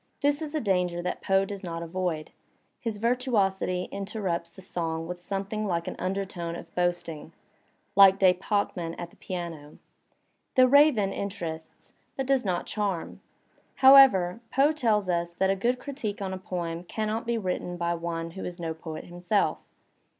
This is a danger that Poe does not avoid; his virtuosity interrupts the song with something like an undertone of boasting, like De Pachmann at the piano. "The Raven" interests, but does not charm. However, Poe tells us that a good critique on a poem cannot be written by one who is no poet himself.